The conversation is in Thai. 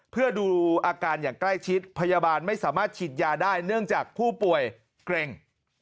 เพื่อดูอาการอย่างใกล้ชิดพยาบาลไม่สามารถฉีดยาได้เนื่องจากผู้ป่วยเกร็ง